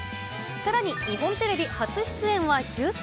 さらに、日本テレビ初出演は１０歳。